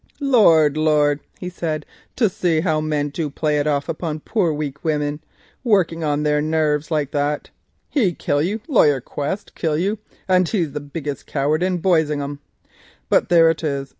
"Lord! Lord!" he said, "to see how men play it off upon poor weak women, working on their narves and that like. He kill you! Laryer Quest kill you, and he the biggest coward in Boisingham; but there it is.